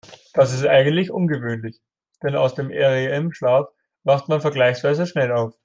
Das ist eigentlich ungewöhnlich, denn aus dem REM-Schlaf wacht man vergleichsweise schnell auf.